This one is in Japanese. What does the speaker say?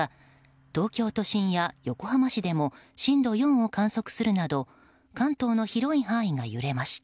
東京都心や横浜市でも震度４を観測するなど関東の広い範囲が揺れました。